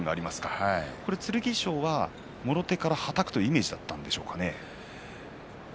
剣翔は、もろ手からはたくというイメージだったんですか。